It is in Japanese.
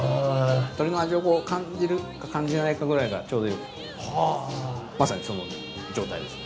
鶏の味を感じるか感じないかくらいがちょうどよくてまさにその状態ですね。